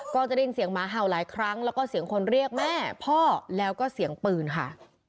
ก็จะได้ยินเสียงหมาเห่าหลายครั้งแล้วก็เสียงคนเรียกแม่พ่อแล้วก็เสียงปืนค่ะ